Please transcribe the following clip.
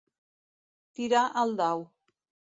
Tirar el dau.